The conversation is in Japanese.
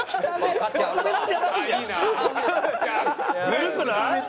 ずるくない？